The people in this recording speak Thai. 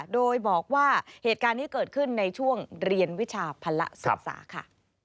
โดยบอกว่าเหตุการณ์นี้เกิดขึ้นในช่วงเรียนวิชาภาระศึกษาค่ะ